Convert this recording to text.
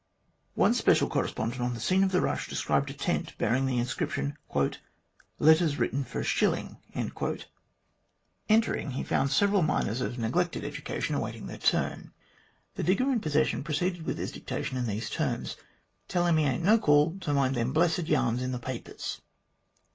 One special correspondent on the scene of the rush descried a tent bearing the inscription :" Letters written for a shilling." Entering, he found several miners of neglected THE HOST OF DISAPPOINTED DIGGERS 131 education awaiting their turn. The digger in possession proceeded with his dictation in these terms: "Tell him he ain't no call to mind them blessed yarns in the papers."